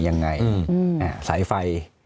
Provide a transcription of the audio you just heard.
ยังไงสายไฟ